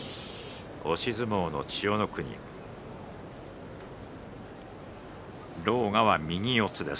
押し相撲の千代の国狼雅は右四つです。